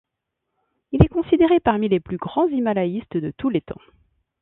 Il est considéré parmi les plus grands himalayistes de tous les temps.